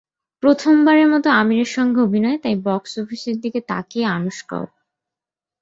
প্রথমবারের মতো আমিরের সঙ্গে অভিনয়, তাই বক্স অফিসের দিকে তাকিয়ে আনুশকাও।